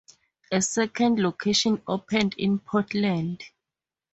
A second location opened in Portland.